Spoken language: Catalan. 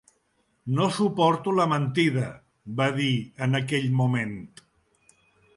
No suporto la mentida, va dir en aquell moment.